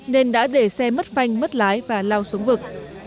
nên đã để xe mất phanh mất lái và lao xuống vực